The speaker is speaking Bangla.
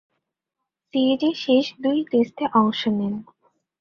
সিরিজের শেষ দুই টেস্টে অংশ নেন।